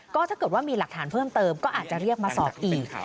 ก็ถ้าเกิดว่ามีหลักฐานเพิ่มเติมก็อาจจะเรียกมาสอบอีก